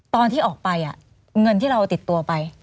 ตอนที่ออกไปเงินที่เราติดตัวไป